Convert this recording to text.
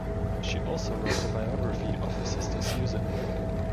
She also wrote a biography of her sister Susan.